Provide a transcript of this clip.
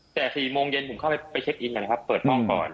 แต่๑๖งผมเข้าไปเช็คอินกันครับเปิดห้องก่อน